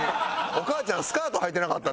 お母ちゃんスカートはいてなかった？